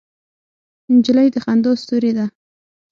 نجلۍ د خندا ستورې ده.